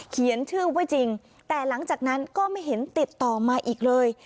เขียนชื่อไว้จริงแต่หลังจากนั้นก็ไม่เห็นติดต่อมาอีกเลย